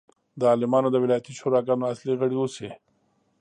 د عالمانو د ولایتي شوراګانو اصلي غړي اوسي.